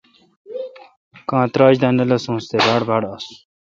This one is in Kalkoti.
کاں تراچ دا نہ لسونس تے باڑ باڑ انس